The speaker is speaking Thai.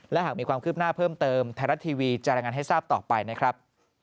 และหากมีความคืบหน้าเพิ่มเติมไทยรัฐทีวีจะรายงานให้ทราบต่อไปนะครับ